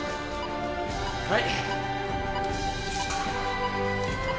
はい！